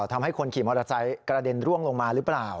ทำให้คนขี่มอเตอร์ไซค์กระเด็นร่วงลงมาหรือเปล่า